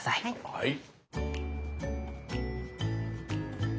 はい。